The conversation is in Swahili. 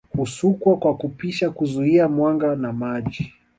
Husukwa kwa kupisha kuzuia mwanga na maji